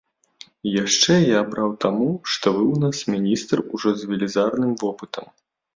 Яшчэ я абраў таму, што вы ў нас міністр ужо з велізарным вопытам.